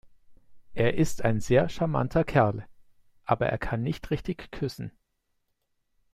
Er ist ein sehr charmanter Kerl, aber er kann nicht richtig küssen.